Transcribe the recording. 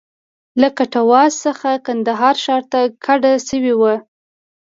له کټواز څخه کندهار ښار ته کډه شوی و.